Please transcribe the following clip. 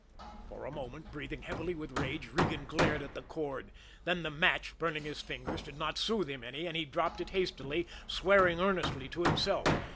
For a moment, breathing heavily with rage, Regan glared at the cord then the match, burning his fingers, did not soothe him any, and he dropped it hastily, swearing earnestly to himself.